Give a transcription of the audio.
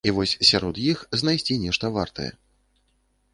І вось сярод іх знайсці нешта вартае.